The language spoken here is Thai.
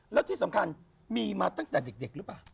และที่สำคัญชีวิตมาตั้งจากเด็กหรือเปล่า